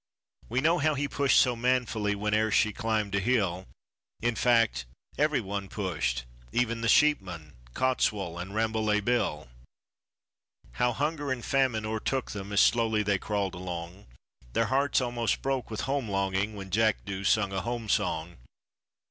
We know how he pushed so manfully whene'er she climbed a hill, In fact every one pushed, even the sheepmen, Cottswool and Rambolet Bill; How hunger and famine o'ertook them as slowly they crawled along, Their hearts almost broke with home longing when Jackdo sung a home song.